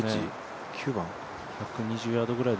１２０ヤードぐらい？